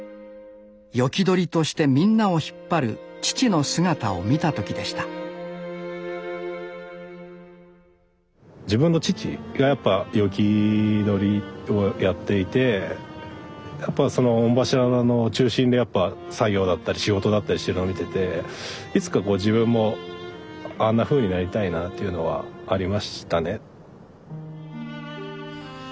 斧取りとしてみんなを引っ張る父の姿を見た時でした自分の父がやっぱ斧取りをやっていてやっぱその御柱の中心でやっぱ作業だったり仕事だったりしてるのを見てていつかこう自分もあんなふうになりたいなっていうのはありましたね。